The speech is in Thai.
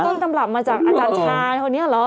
ตำรับมาจากอาจารย์ชายคนนี้เหรอ